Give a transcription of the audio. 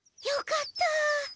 よかった。